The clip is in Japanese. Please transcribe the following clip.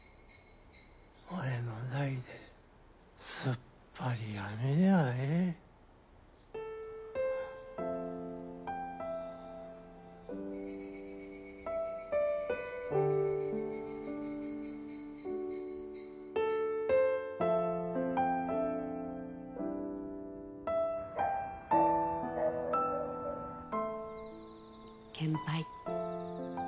俺の代ですっぱりやめりゃあええ献杯。